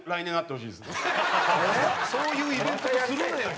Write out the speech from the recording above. そういうイベントとするなよ